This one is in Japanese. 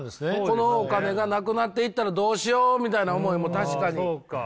このお金がなくなっていったらどうしようみたいな思いも確かに考えながら。